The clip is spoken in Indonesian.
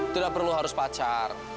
tidak perlu harus pacar